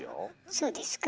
そうですか？